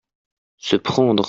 se prendre.